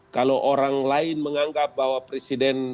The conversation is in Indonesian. kalau orang lain menganggap bahwa presiden